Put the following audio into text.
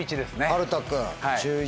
春太君中１。